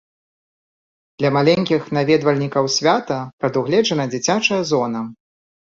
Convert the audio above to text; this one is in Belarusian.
Для маленькіх наведвальнікаў свята прадугледжана дзіцячая зона.